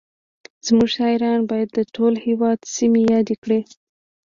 زموږ شاعران باید د ټول هېواد سیمې یادې کړي